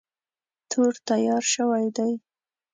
تور تیار شوی دی.